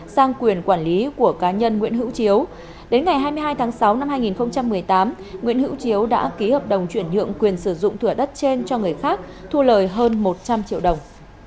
sang quyền quản lý của cá nhân nguyễn hữu chiếu đến ngày hai mươi hai tháng sáu năm hai nghìn một mươi tám nguyễn hữu chiếu đã ký hợp đồng chuyển nhượng quyền sử dụng thửa đất trên cho người khác thu lời hơn một trăm linh triệu đồng